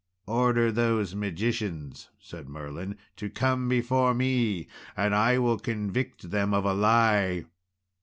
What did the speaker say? "Order those magicians," said Merlin, "to come before me, and I will convict them of a lie."